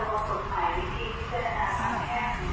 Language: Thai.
วิธีที่พิจารณามันแค่